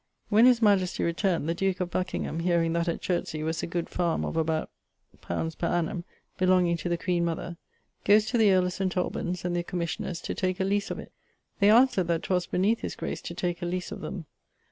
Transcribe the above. When his majestie returned, the duke of Buckingham hearing that at Chertsey was a good farme of about ... li. per annum, belonging to the queene mother, goes to the earl of St. Alban's and the commissioners to take a lease of it. They answered that 'twas beneath his grace to take a lease of them.